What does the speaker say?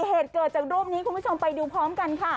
เหตุเกิดจากรูปนี้คุณผู้ชมไปดูพร้อมกันค่ะ